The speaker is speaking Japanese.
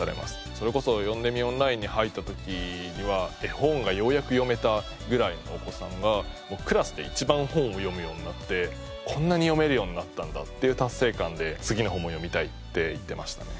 それこそヨンデミーオンラインに入った時には絵本がようやく読めたぐらいのお子さんがクラスで一番本を読むようになってこんなに読めるようになったんだっていう達成感で「次の本も読みたい」って言ってましたね。